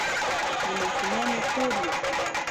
د ماشومانو شور یې